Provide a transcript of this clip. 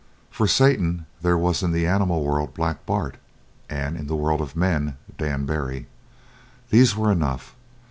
For Satan there was in the animal world Black Bart, and in the world of men, Dan Barry. These were enough.